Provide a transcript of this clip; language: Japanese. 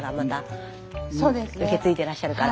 受け継いでらっしゃるから。